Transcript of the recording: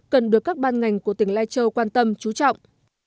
cần được các ban ngành của tỉnh lai châu quan tâm chú trọng